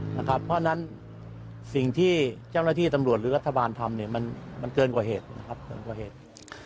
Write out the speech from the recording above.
เพราะฉะนั้นสิ่งที่เจ้าหน้าที่ตำรวจหรือรัฐบาลทำมันเกินกว่าเหตุ